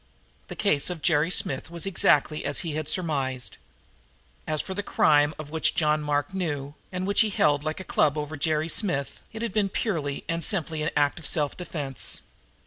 The case of Jerry Smith was exactly what he had surmised. As for the crime of which John Mark knew, and which he held like a club over Jerry Smith, it had been purely and simply an act of self defense.